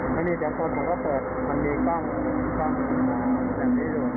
ไม่มีเสียงคนผมก็เปิดมันมีกล้องมีกล้องแบบนี้อยู่